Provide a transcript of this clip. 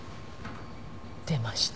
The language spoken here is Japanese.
出ました。